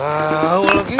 walaupun masuk masuk masuk